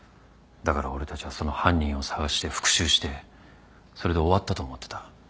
だから俺たちはその犯人を捜して復讐してそれで終わったと思ってた